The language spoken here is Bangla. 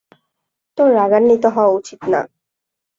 তোর রাগান্বিত হওয়া উচিত না।